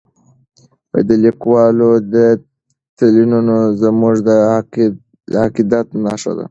د لیکوالو تلینونه زموږ د عقیدت نښه ده.